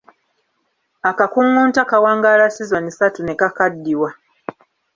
Akakungunta kawangaala sizoni ssatu ne kakaddiwa.